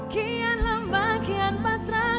kian lambang kian pasrah